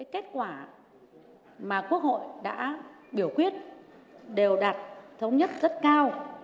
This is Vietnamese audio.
kết quả mà quốc hội đã biểu quyết đều đạt thống nhất rất cao